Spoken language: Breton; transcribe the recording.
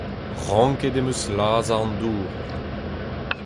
Ranket em eus lazhañ an dour.